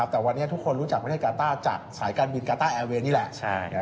แต่วันนี้ทุกคนรู้จักประเทศกาต้าจากสายการบินกาต้าแอร์เวย์นี่แหละ